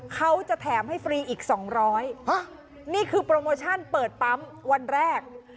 เขาจะแถมให้ฟรีอีก๒๐๐นี่คือโปรโมชั่นเปิดปั๊มวันแรก